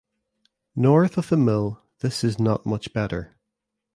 North of the mill this is not much better.